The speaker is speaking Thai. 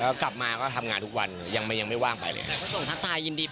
แล้วก็กลับมาก็ทำงานทุกวันยังไม่ว่างไปเลย